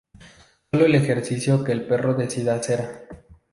Sólo el ejercicio que el perro decida hacer.